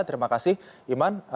terima kasih iman